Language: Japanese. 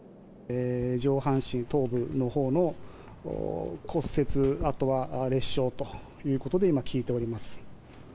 上半身、頭部のほうの骨折、あとは裂傷ということで、今、聞いております。